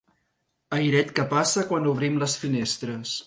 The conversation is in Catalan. Airet que passa quan obrim les finestres.